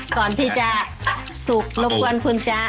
ก่อนที่จะสุกรบกวนคุณจ๊ะ